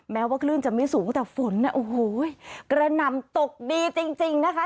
แม้ว่าคลื่นจะไม่สูงแต่ฝนโอ้โหกระหน่ำตกดีจริงนะคะ